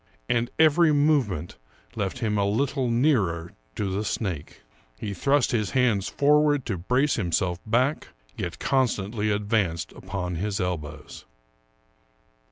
And every movement left him a little nearer to the snake. He thrust his hands forward to brace himself back, yet con stantly advanced upon his elbows.